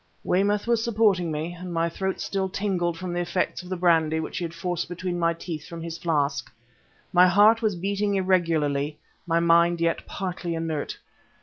Weymouth was supporting me, and my throat still tingled from the effects of the brandy which he had forced between my teeth from his flask. My heart was beating irregularly; my mind yet partly inert.